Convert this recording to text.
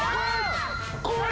怖い。